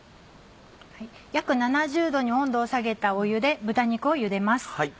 約７０℃に温度を下げた湯で豚肉を茹でます。